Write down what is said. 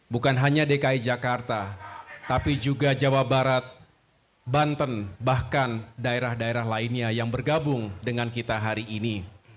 bukan hanya dki jakarta tapi juga jawa barat banten bahkan daerah daerah lainnya yang bergabung dengan kita hari ini